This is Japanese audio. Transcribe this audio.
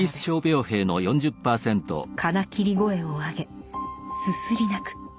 金切り声を上げすすり泣く。